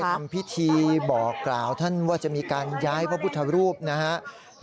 ทำพิธีบอกกล่าวท่านว่าจะมีการย้ายพระพุทธรูปนะครับ